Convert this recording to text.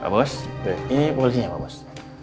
pak bos ini polisinya pak bos